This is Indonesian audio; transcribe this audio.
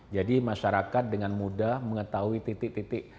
jadi masyarakat dengan mudah mengetahui titik titik